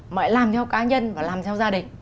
mà lại làm theo cá nhân và làm theo gia đình